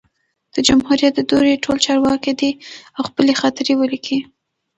د جمهوریت د دورې ټول چارواکي دي او خپلي خاطرې ولیکي